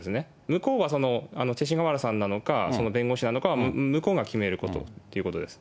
向こうは勅使河原さんなのか、その弁護士なのかは向こうが決めることということです。